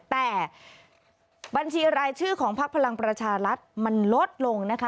แต่บัญชีรายชื่อของพักพลังประชารัฐมันลดลงนะคะ